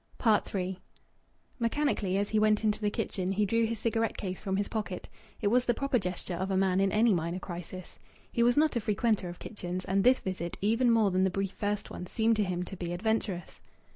III Mechanically, as he went into the kitchen, he drew his cigarette case from his pocket. It was the proper gesture of a man in any minor crisis. He was not a frequenter of kitchens, and this visit, even more than the brief first one, seemed to him to be adventurous.